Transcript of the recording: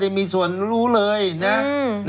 ไม่มีส่วนรู้เรื่อง